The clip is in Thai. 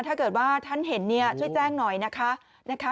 ถ้าเกิดว่าท่านเห็นเนี่ยช่วยแจ้งหน่อยนะคะ